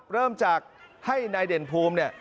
เริ่มจากให้นายเด่นภูมิเนี่ย